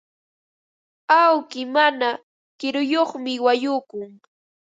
Awki mana kiruyuqmi wañukun.